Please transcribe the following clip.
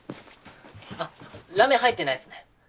あっラメ入ってないやつね。